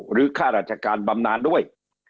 หรือค่ารัชการบำนานด้วย